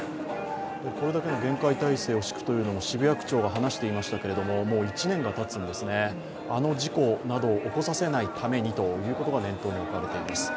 これだけの厳戒態勢を敷くというのも、渋谷区長も話していましたけどもう１年がたつんですね、あの事故を起こさせないためにということが念頭に置かれています。